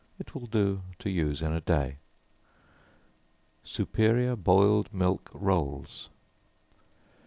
It will do to use in a day. Superior Boiled Milk Rolls.